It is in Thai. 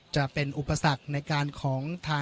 ไม่เป็นไรไม่เป็นไร